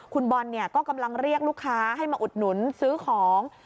คุณบอลก็กำลังเรียกลูกค้าให้มาอุดหนุนซื้อของ